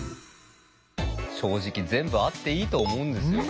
正直全部あっていいと思うんですよ。